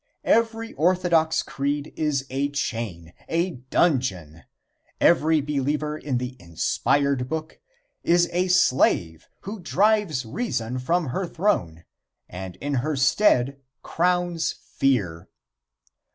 Every orthodox creed is a chain, a dungeon. Every believer in the "inspired book" is a slave who drives reason from her throne, and in her stead crowns fear.